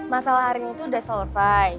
masalah arin itu udah selesai